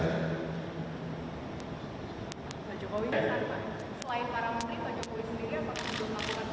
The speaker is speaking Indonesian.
selain para menteri pak jokowi sendiri apa yang harus dilakukan